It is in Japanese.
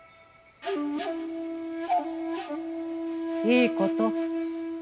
いいこと？